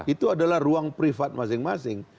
itu adalah ruang privat masing masing